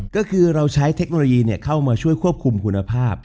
ก็คือเราใช้เทคโนโลยีเข้ามาช่วยควบคุมคุณภาพ